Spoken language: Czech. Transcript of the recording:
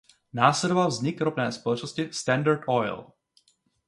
Následoval vznik ropné společnosti Standard Oil.